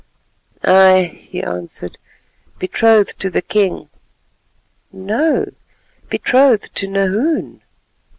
"Ay," he answered, "betrothed to the king." "No, betrothed to Nahoon."